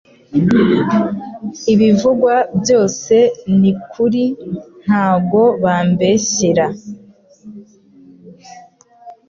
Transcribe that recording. ibivugwa byose nikuri ntago bambeshyera